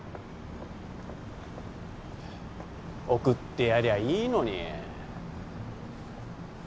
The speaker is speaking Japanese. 送ってやりゃいいのに。